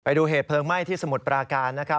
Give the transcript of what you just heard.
ดูเหตุเพลิงไหม้ที่สมุทรปราการนะครับ